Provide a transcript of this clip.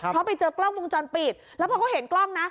เขาไปเจอกล้องวงจรปิดแล้วพอเขาเห็นกล้องนะ